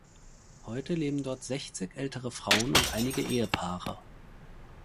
Heute leben dort sechzig ältere Frauen und einige Ehepaare.